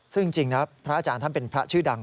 ซึ่งจริงนะพระอาจารย์ท่านเป็นพระชื่อดัง